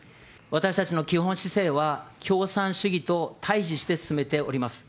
私たちの基本姿勢は、共産主義と対じして進めております。